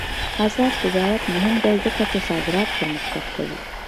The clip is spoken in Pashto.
آزاد تجارت مهم دی ځکه چې صادرات پرمختګ کوي.